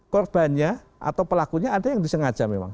korbannya atau pelakunya ada yang disengaja memang